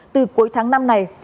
từ cuối tháng năm này